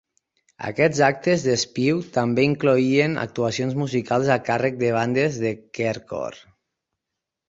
Aquests actes de Spew també incloïen actuacions musicals a càrrec de bandes de "queercore".